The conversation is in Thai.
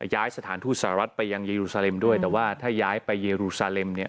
ย้ายสถานทูตสหรัฐไปยังเยรูซาเลมด้วยแต่ว่าถ้าย้ายไปเยรูซาเลมเนี่ย